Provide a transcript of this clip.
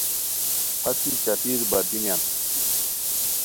پھتی چاتیر باتینیان